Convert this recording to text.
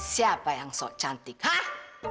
siapa yang sok cantik hah